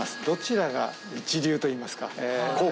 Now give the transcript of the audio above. どちらが一流といいますか。